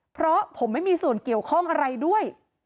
เพราะผมไม่มีส่วนเกี่ยวข้องอะไรด้วย